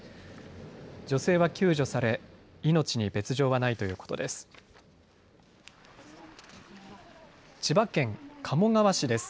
女性は救助され命に別状はないということです。